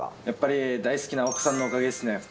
やっぱり大好きな奥さんのおかげですね。